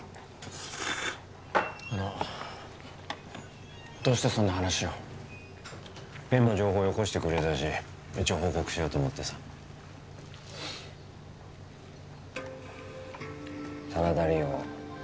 あのどうしてそんな話をペンの情報よこしてくれたし一応報告しようと思ってさ真田梨央